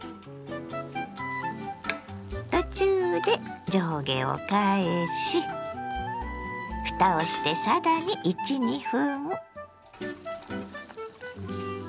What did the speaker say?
途中で上下を返しふたをしてさらに１２分。